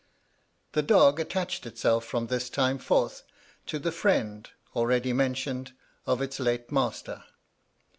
The dog attached itself from this time forth to the friend, already mentioned, of its late master.